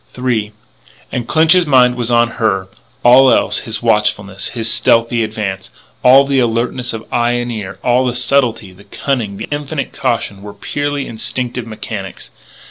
III And Clinch's mind was on her. All else his watchfulness, his stealthy advance all the alertness of eye and ear, all the subtlety, the cunning, the infinite caution were purely instinctive mechanics.